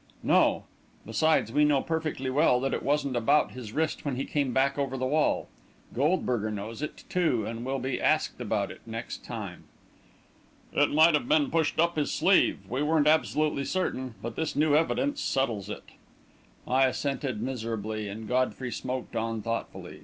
"No; besides, we know perfectly well that it wasn't about his wrist when he came back over the wall. Goldberger knows it, too, and we'll be asked about it, next time." "It might have been pushed up his sleeve we weren't absolutely certain. But this new evidence settles it." I assented miserably and Godfrey smoked on thoughtfully.